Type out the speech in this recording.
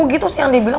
gitu sih yang dia bilang